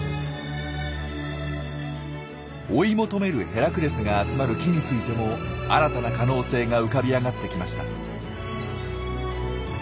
追い求めるヘラクレスが集まる木についても新たな可能性が浮かび上がってきました。